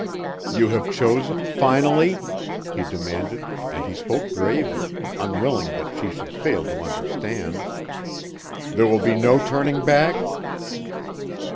"You have chosen finally?" he demanded and he spoke gravely, unwilling that she should fail to understand. "There will be no turning back?"